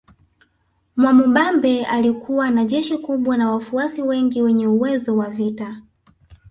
Mwamubambe alikuwa na jeshi kubwa na wafuasi wengi wenye uwezo wa vita